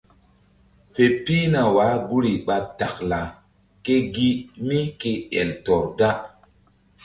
Fe pihna wah guri ɓa taklaa ke gi mí ke el tɔr da.